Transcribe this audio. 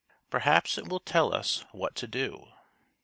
Perhaps it will tell us what to do."